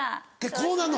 こうなるの？